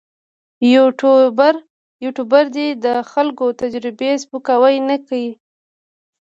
یوټوبر دې د خلکو تجربې سپکاوی نه کړي.